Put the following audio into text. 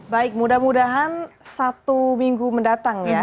baik mudah mudahan satu minggu mendatang ya